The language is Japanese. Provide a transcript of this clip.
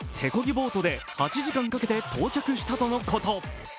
ボートで８時間かけて到着したとのこと。